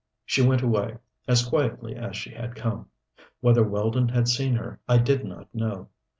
She went away, as quietly as she had come. Whether Weldon had seen her I did not know.